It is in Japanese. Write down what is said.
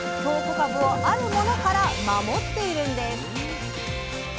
かぶをあるものから守っているんです。